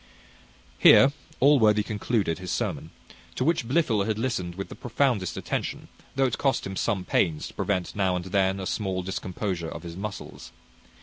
Here Allworthy concluded his sermon, to which Blifil had listened with the profoundest attention, though it cost him some pains to prevent now and then a small discomposure of his muscles.